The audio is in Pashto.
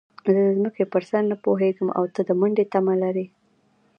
زه د ځمکې پر سر نه پوهېږم او ته د منډې تمه لرې.